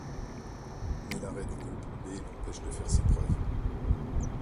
Mais l’arrêt du Groupe B l’empêche de faire ses preuves.